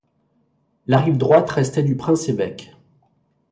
La rive droite restait du prince-évêque.